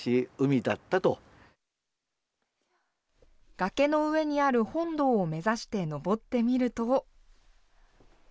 崖の上にある本堂を目指して上ってみると。